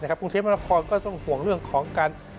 กรุงเทพมนาคอนก็ต้องห่วงเรื่องของการ